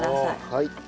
はい。